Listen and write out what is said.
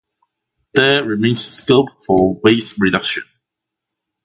There remains scope for waste reduction.